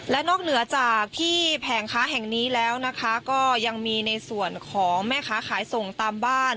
และนอกเหนือจากที่แผงค้าแห่งนี้แล้วนะคะก็ยังมีในส่วนของแม่ค้าขายส่งตามบ้าน